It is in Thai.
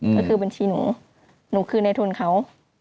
ก็คือบัญชีหนูหนูคือในทุนเขา